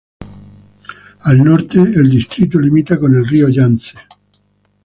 Al norte el distrito limita con el río Yangtze.